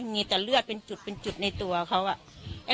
มีแต่เลือดเป็นจุดเป็นจุดในตัวเขาอะ